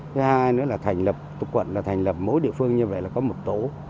thứ hai nữa là thành lập quận là thành lập mỗi địa phương như vậy là có một tổ